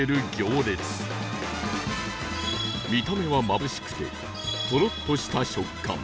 見た目はまぶしくてトロッとした食感